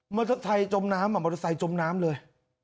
เตอร์ไทยจมน้ำมอเตอร์ไซค์จมน้ำเลย